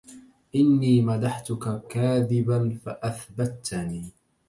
إني مدحتك كاذبا فأثبتني